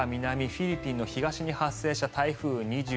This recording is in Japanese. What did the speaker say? フィリピンの東に発生した台風２２号。